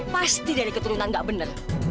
pasti dari keturunan gak benar